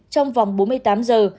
trong vòng bốn mươi tám giờ